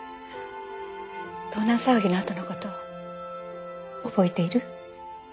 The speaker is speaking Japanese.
盗難騒ぎのあとの事を覚えている？